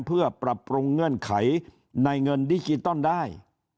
เพื่อปรับปรุงเงื่อนไขในเงินดิจิตอลได้